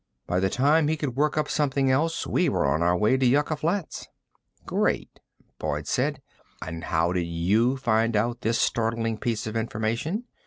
By the time he could work up something else, we were on our way to Yucca Flats." "Great," Boyd said. "And how did you find out this startling piece of information?